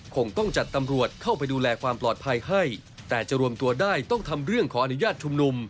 คงต้องจัดตำรวจเข้าไปดูแลความปลอดภัยให้แต่จะรวมตัวได้ต้องทำเรื่องขออนุญาตชุมนุม